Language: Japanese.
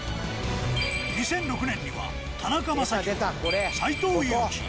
２００６年には田中将大斎藤佑樹。